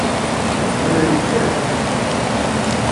Tḥemmlemt-tent?